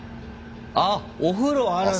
あっお風呂あるんだ！